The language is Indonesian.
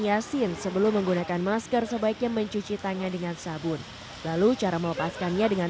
yasin sebelum menggunakan masker sebaiknya mencuci tangan dengan sabun lalu cara melepaskannya dengan